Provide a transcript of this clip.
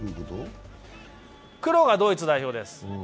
黒がドイツ代表です。